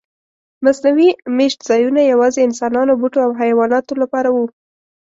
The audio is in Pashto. مصنوعي میشت ځایونه یواځې انسانانو، بوټو او حیواناتو لپاره و.